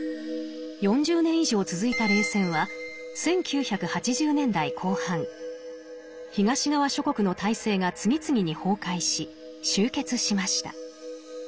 ４０年以上続いた冷戦は１９８０年代後半東側諸国の体制が次々に崩壊し終結しました。